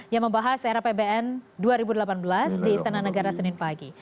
yang membahas era pbn dua ribu delapan belas di istana negara senin pagi